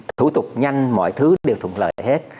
thủ tục nhanh mọi thứ đều thuận lợi hết